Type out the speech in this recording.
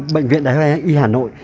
bệnh viện đhi hà nội